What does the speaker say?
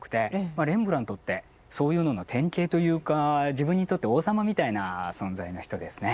レンブラントってそういうのの典型というか自分にとって王様みたいな存在の人ですね。